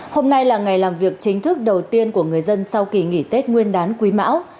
hôm nay là ngày làm việc chính thức đầu tiên của người dân sau kỳ nghỉ tết nguyên đán quý mão